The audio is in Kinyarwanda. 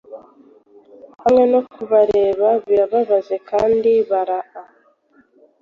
Hamwe no kureba birababaje kandi baraa